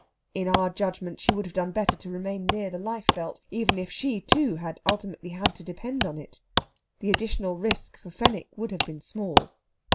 In our judgment, she would have done better to remain near the life belt, even if she, too, had ultimately had to depend on it. The additional risk for Fenwick would have been small.